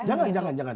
jangan jangan jangan